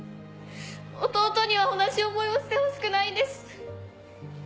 弟には同じ思いをしてほしくないんです。